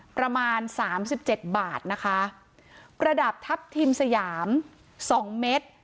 ประมาณ๓๗บาทนะคะกระดับทัพทิมสยามสองเม็ด